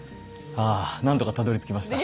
あ何とかたどりつきました。